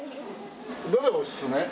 どれおすすめ？